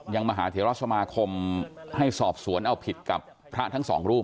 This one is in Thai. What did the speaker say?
ยังมหาวิทยอดิโธชมกรรมให้สอบสวนเอาผิดกับพระทั้งสองรูป